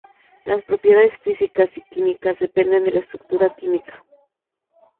Las propiedades físicas y químicas dependen de la estructura química.